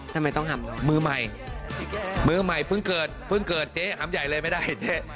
ทำไมต้องหำมือใหม่มือใหม่เพิ่งเกิดเพิ่งเกิดเจ๊หำใหญ่เลยไม่ได้เจ๊